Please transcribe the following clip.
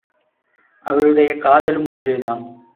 அவளுடைய காதலும் ஒன்றேதான்.